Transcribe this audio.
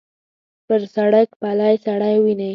پر سړک پلی سړی وینې.